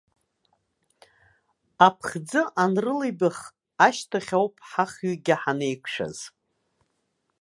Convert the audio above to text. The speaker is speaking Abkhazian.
Аԥхӡы анрылеибах ашьҭахь ауп ҳахҩыкгьы ҳанеиқәшәаз.